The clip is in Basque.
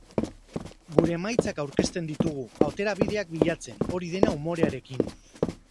Gure emaitzak aurkezten ditugu, aterabideak bilatzen, hori dena umorearekin.